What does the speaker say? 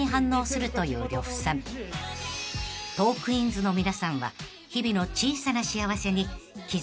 ［トークィーンズの皆さんは日々の］